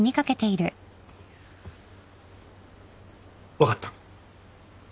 分かった。